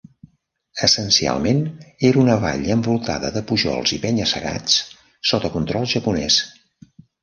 Essencialment, era una vall envoltada de pujols i penya-segats sota control japonès.